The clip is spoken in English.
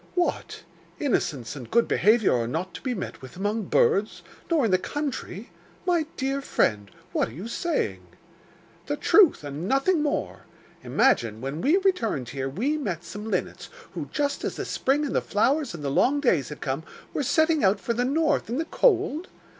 'What! innocence and good behaviour are not to be met with among birds, nor in the country! My dear friend, what are you saying?' 'The truth and nothing more. Imagine, when we returned here, we met some linnets who, just as the spring and the flowers and the long days had come, were setting out for the north and the cold?